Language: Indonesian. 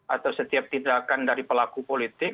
atau setiap tindakan dari pelaku politik